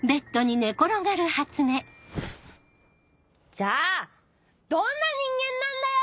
じゃあどんな人間なんだよ！